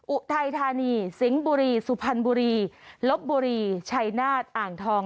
อุทัยธานีสิงห์บุรีสุพรรณบุรีลบบุรีชัยนาฏอ่างทอง